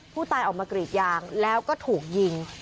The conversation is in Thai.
ผู้ตายออกมากรีดยางแล้วก็ถูกยิง